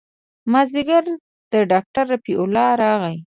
مازديګر ډاکتر رفيع الله راغى.